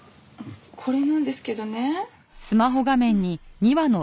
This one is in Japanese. これなんですけどね。